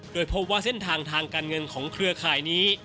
โดยพบว่าเส้นทางทางการเงินของเครือข่ายนี้